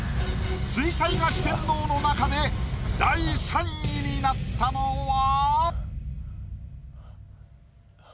水彩画四天王の中で第３位になったのは？